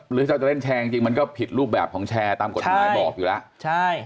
หรือถ้าเราจะเล่นแชร์จริงมันก็ผิดรูปแบบของแชร์ตามกฎหมายบอกอยู่แล้วใช่